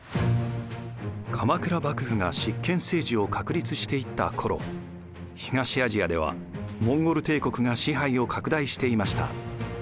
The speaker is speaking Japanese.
鎌倉幕府が執権政治を確立していった頃東アジアではモンゴル帝国が支配を拡大していました。